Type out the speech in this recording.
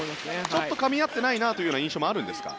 ちょっとかみ合ってないなという印象もあるんですか？